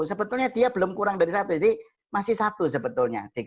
sebetulnya dia belum kurang dari satu jadi masih satu sebetulnya